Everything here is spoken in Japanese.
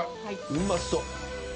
うまそう。